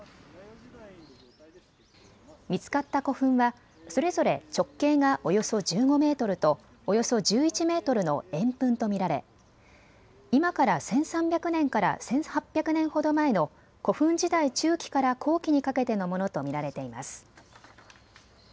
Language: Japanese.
見つかった古墳はそれぞれ直径がおよそ１５メートルとおよそ１１メートルの円墳と見られ今から１３００年から１８００年ほど前の古墳時代中期から後期にかけてのものと見られています。